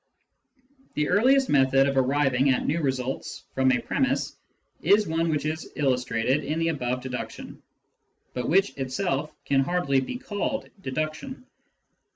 The earliest method of arriving at new results from a premiss is one which is illustrated in the above deduction, but which itself can hardly be called deduction.